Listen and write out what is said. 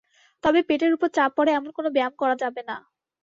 তবে পেটের ওপর চাপ পড়ে এমন কোনো ব্যায়াম করা যাবে না।